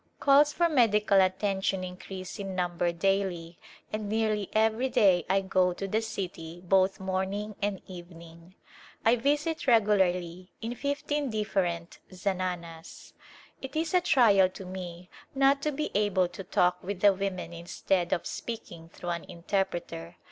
Calls for medical attention increase in number daily and nearly every day I go to the city both morning and evening. I visit regularly in fifteen dif ferent zananas. It is a trial to me not to be able to talk with the women instead of speaking through an interpreter.